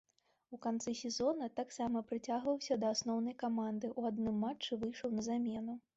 У канцы сезона таксама прыцягваўся да асноўнай каманды, у адным матчы выйшаў на замену.